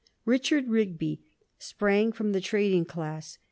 Richard Rigby sprang from the trading class.